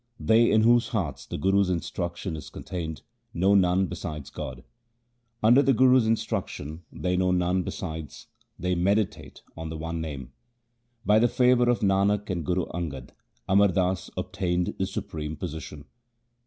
They in whose hearts the Guru's instruction is contained know none besides God ; Under the Guru's instruction they know none besides ; they meditate on the one Name. By the favour of Nanak and Guru Angad, A mar Das obtained the supreme position.